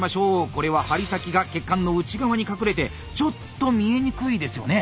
これは針先が血管の内側に隠れてちょっと見えにくいですよね。